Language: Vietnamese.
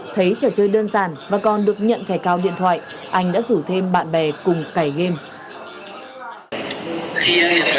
thấy trò chơi đơn giản và còn được nhận thẻ cao điện thoại anh đã rủ thêm bạn bè cùng cày game